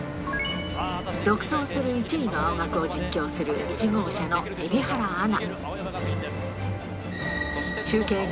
独走する１位の青学を実況する１号車の蛯原アナ。